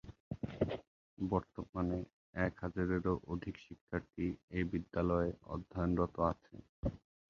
বর্তমানে এক হাজারেরও অধিক শিক্ষার্থী এ বিদ্যালয়ে অধ্যয়নরত আছে।